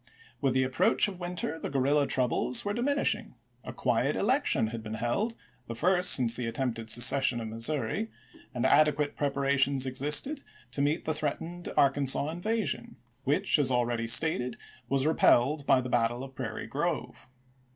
With the approach of winter the guerrilla troubles were diminishing ; a quiet election had been held, the first since the attempted secession of Missouri, and adequate preparations existed to meet the threatened Arkansas invasion which, as already GENERAL STEBLrNG PKICE. MISSOUEI GUEKRILLAS AND POLITICS 385 stated, was repelled by the battle of Prairie Grove, cu.